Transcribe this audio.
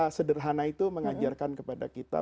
karena sederhana itu mengajarkan kepada kita